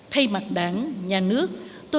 thay mặt đảng nhà nước